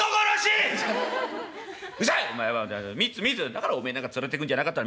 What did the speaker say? だからおめえなんか連れてくんじゃなかった。